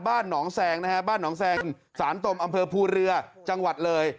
บ้านหนองแซงนะฮะบ้านหนองแซงสารตมอำเภอภูเรือจังหวัดเลย